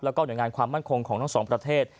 แล้วก็หน่วยงานความมั่นคงของทั้งสองประเทศ